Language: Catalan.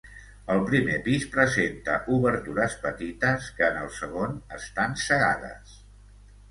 El primer pis presenta obertures petites que en el segon estan cegades.